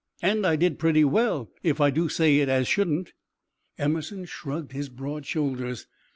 And I did pretty well, if I do say it as shouldn't." Emerson shrugged his broad shoulders.